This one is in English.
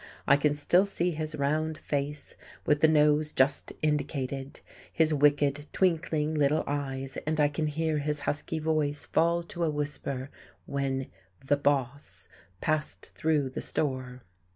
I can still see his round face, with the nose just indicated, his wicked, twinkling little eyes, and I can hear his husky voice fall to a whisper when "the boss" passed through the store.